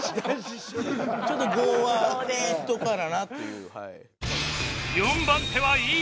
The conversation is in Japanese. ちょっと５はいっとかななっていう。